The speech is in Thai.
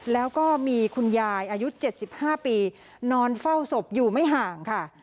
แล้วก็มีคุณยายอายุ๗๕ปีนอนเฝ้าศพอยู่ไม่ห่างค่ะ